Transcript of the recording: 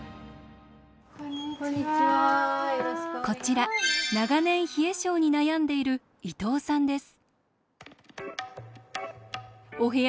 こちら長年冷え症に悩んでいる伊藤さんです。